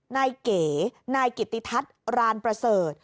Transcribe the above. นายเก๋นายกิติทัศน์รานประเสริฐ